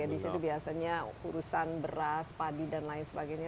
di situ biasanya urusan beras padi dan lain sebagainya